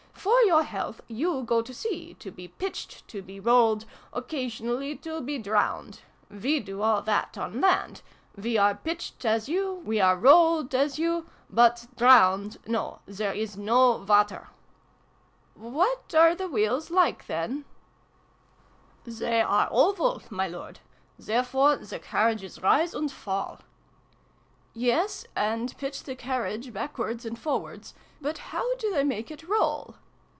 For your health, you go to sea : to be pitched, to be rolled, occasionally to be drowned. We do all that on land : we are pitched, as you ; we are rolled, as you ; but drowned, no ! There is no water !"" What are the wheels like, then ?" no SYLVIE AND BRUNO CONCLUDED. " They are oval, my Lord. Therefore the carriages rise and fall." " Yes, and pitch the carriage backwards and forwards : but how do they make it roll